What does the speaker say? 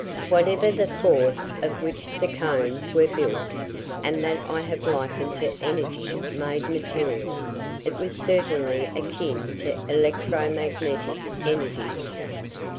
Whatever the force of which the cones were built and that I have likened to energy made material, it was certainly akin to electromagnetic energies.